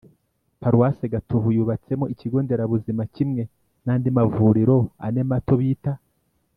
paruwasi gatovu yubatsemo ikigo nderabuzima kimwe, n’andi mavuriro ane mato bita